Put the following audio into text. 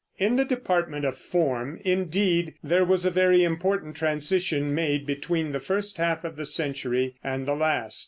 In the department of form, indeed, there was a very important transition made between the first half of the century and the last.